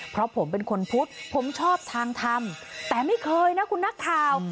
เพราะผมเป็นคนพุทธผมชอบทางทำแต่ไม่เคยนะคุณนักข่าว